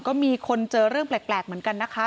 ก็มีคนเจอเรื่องแปลกเหมือนกันนะคะ